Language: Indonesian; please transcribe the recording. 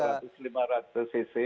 ya biasanya empat ratus lima ratus cc